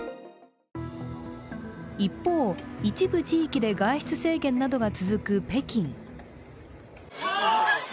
一方、一部地域で外出制限などが続く北京。